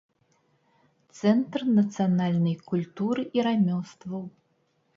Цэнтр нацыянальнай культуры і рамёстваў.